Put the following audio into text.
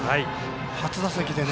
初打席でね。